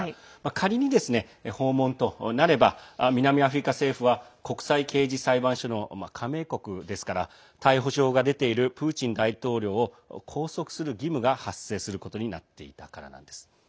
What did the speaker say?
仮に訪問となれば南アフリカ政府は国際刑事裁判所の加盟国ですから逮捕状が出ているプーチン大統領を拘束する義務が発生することになっていたからなんです。